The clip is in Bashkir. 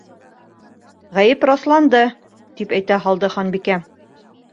—Ғәйеп раҫланды, —тип әйтә һалды Ханбикә.